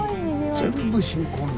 全部新婚だ。